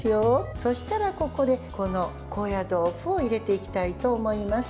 そしたら、ここで高野豆腐を入れていきたいと思います。